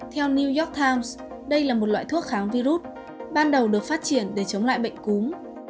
theo new york times đây là một loại thuốc kháng virus ban đầu được phát triển để chống lại bệnh cúm